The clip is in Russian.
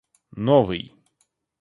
новый